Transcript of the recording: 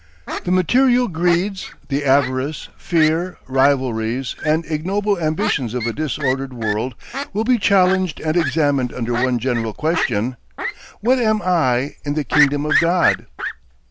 The material greeds, the avarice, fear, rivalries, and ignoble ambitions of a disordered world will be challenged and examined under one general question: "What am I in the kingdom of God?"